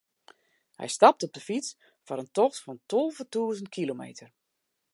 Hy stapte op de fyts foar in tocht fan tolve tûzen kilometer.